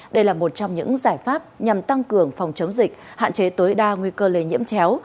đây là một trong những giải pháp nhằm tăng cường phòng chống dịch hạn chế tối đa nguy cơ lây nhiễm chéo